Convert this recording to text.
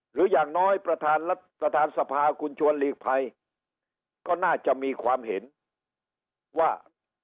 อย่างน้อยประธานสภาคุณชวนหลีกภัยก็น่าจะมีความเห็นว่า